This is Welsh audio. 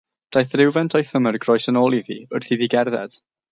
Daeth rhywfaint o'i thymer groes yn ôl iddi wrth iddi gerdded.